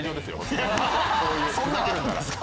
そんなんあるんすか？